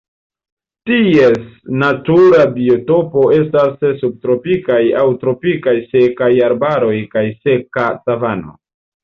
Ties natura biotopo estas subtropikaj aŭ tropikaj sekaj arbaroj kaj seka savano.